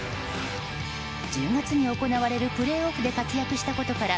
１０月に行われるプレーオフで活躍したことから